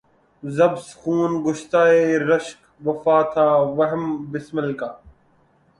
ز بس خوں گشتۂ رشک وفا تھا وہم بسمل کا